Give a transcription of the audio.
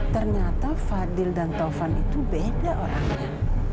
ternyata fadil dan taufan itu beda orangnya